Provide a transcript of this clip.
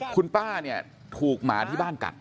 คุณป้าถูกหมาที่บ้านกัด